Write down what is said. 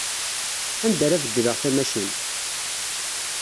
Anda ara beddleɣ tamacint?